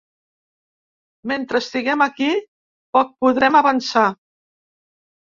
Mentre estiguem aquí, poc podrem avançar.